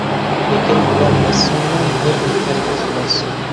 لېكىن بۇلار مەسىلىنىڭ بىرلا تەرىپى خالاس.